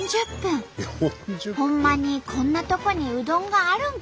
ほんまにこんなとこにうどんがあるんか？